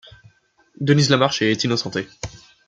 Denise Lamarche est innocentée.